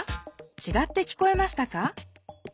ちがって聞こえましたか？